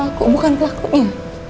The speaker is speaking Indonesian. aku bukan pelakunya